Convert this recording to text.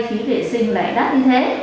phí vệ sinh lại đắt như thế